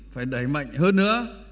phải đẩy mạnh hơn nữa